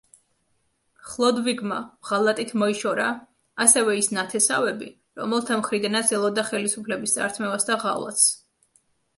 ხლოდვიგმა ღალატით მოიშორა ასევე ის ნათესავები, რომელთა მხრიდანაც ელოდა ხელისუფლების წართმევას და ღალატს.